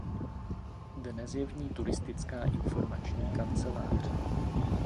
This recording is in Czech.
Dnes je v ní turistická informační kancelář.